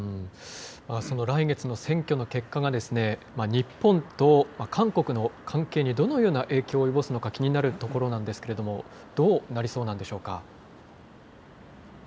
その来月の選挙の結果がですね、日本と韓国の関係にどのような影響を及ぼすのか、気になるところなんですけれども、どうなりそうなんでしょうか。